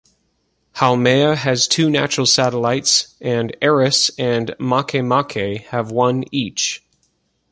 Haumea has two natural satellites, and Eris and Makemake have one each.